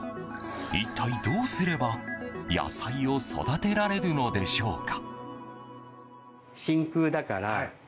一体どうすれば野菜を育てられるのでしょうか。